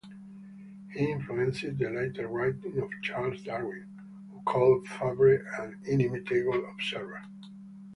He influenced the later writings of Charles Darwin, who called Fabre "an inimitable observer".